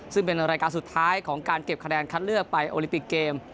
ซึ่งเป็นรายการสุดท้ายของการเก็บคะแนนคัดเลือกไปโอลิปิกเกม